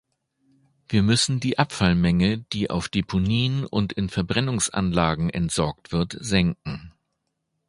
Wir müssen die Abfallmenge, die auf Deponien und in Verbrennungsanlagen entsorgt wird, senken.